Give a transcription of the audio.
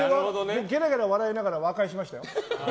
ゲラゲラ笑いながら和解しましたよ。